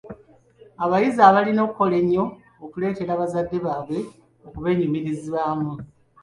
Abayizi balina okukola ennyo okuleetera bazadde baabwe okubeenyumirizaamu.